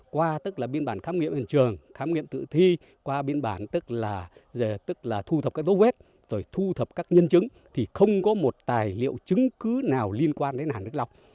qua tức là biên bản khám nghiệm hình trường khám nghiệm tự thi qua biên bản tức là thu thập các dấu vết rồi thu thập các nhân chứng thì không có một tài liệu chứng cứ nào liên quan đến hàn đức long